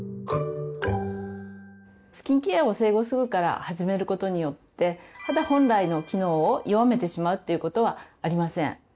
スキンケアを生後すぐから始めることによって肌本来の機能を弱めてしまうということはありません。